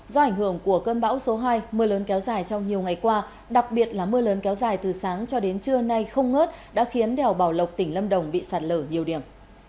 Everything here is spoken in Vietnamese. do ảnh hưởng của cơn bão số hai mưa lớn kéo dài trong nhiều ngày qua đặc biệt là mưa lớn kéo dài từ sáng cho đến trưa nay không ngớt đã khiến đèo bảo lộc tỉnh lâm đồng bị sạt lở nhiều điểm